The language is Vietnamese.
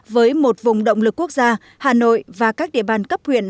với một vùng động lực quốc gia hà nội và các địa bàn cấp huyện